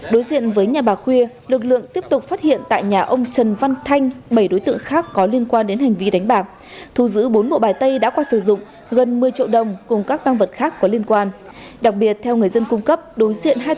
đối diện với nhà bà khuya lực lượng tiếp tục phát hiện tại nhà ông trần văn thanh